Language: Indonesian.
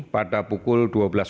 pada pukul dua belas